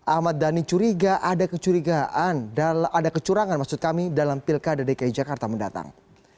ahmad dhani curiga ada kecurangan dalam pilkada dki jakarta mendatang